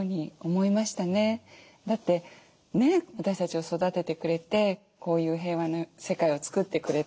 だってね私たちを育ててくれてこういう平和な世界を作ってくれた。